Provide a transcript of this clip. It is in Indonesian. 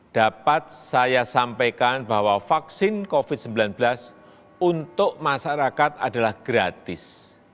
dapat saya sampaikan bahwa vaksin covid sembilan belas untuk masyarakat adalah gratis